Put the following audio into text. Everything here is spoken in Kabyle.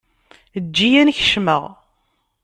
Ejj-iyi ad n-kecmeɣ.